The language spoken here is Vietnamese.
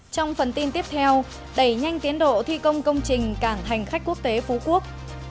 trong phần tin tiếp theo đẩy nhanh tiến độ thi công công trình cảng hành khách quốc tế phú quốc